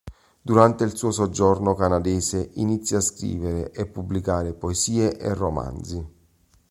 Durante il suo soggiorno canadese inizia a scrivere e pubblicare poesie e romanzi.